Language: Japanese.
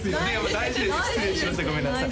大事です失礼しましたごめんなさい